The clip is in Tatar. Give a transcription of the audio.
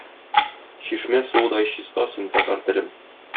Чишмә суыдай чиста син, татар телем.